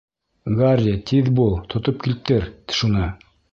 Гарри, тиҙ бул, тотоп килтер шуны!